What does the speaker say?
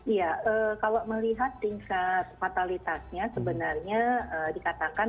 iya kalau melihat tingkat fatalitasnya sebenarnya dikatakan